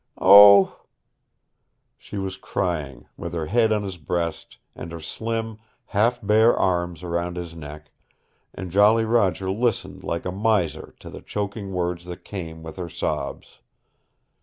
Oh " She was crying, with her head on his breast, and her slim, half bare arms around his neck, and Jolly Roger listened like a miser to the choking words that came with her sobs.